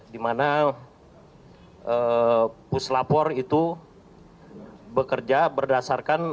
dimana puslapor itu bekerja berdasarkan